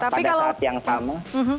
pada saat yang sama